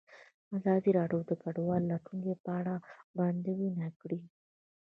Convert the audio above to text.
ازادي راډیو د کډوال د راتلونکې په اړه وړاندوینې کړې.